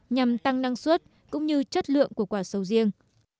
nhằm tăng năng suất cũng như chất lượng của quả sầu riêng